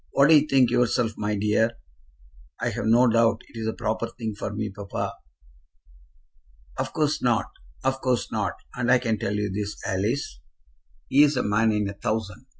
"What do you think yourself, my dear?" "I've no doubt it's the proper thing for me, papa." "Of course not; of course not; and I can tell you this, Alice, he is a man in a thousand.